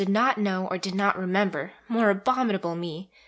did not know or did not remember more abominable me!